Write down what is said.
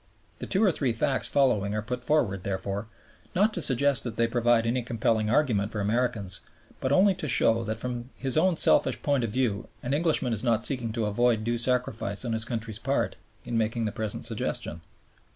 The two or three facts following are put forward, therefore, not to suggest that they provide any compelling argument for Americans, but only to show that from his own selfish point of view an Englishman is not seeking to avoid due sacrifice on his country's part in making the present suggestion.